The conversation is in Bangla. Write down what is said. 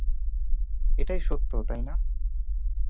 এটাই সত্য, তাই না?